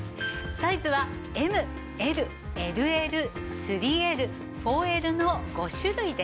サイズはＭＬＬＬ３Ｌ４Ｌの５種類です。